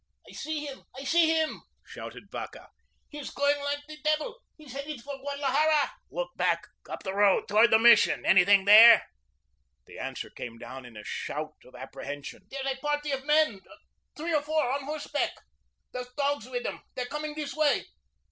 "I see him; I see him!" shouted Vacca. "He's going like the devil. He's headed for Guadalajara." "Look back, up the road, toward the Mission. Anything there?" The answer came down in a shout of apprehension. "There's a party of men. Three or four on horse back. There's dogs with 'em. They're coming this way.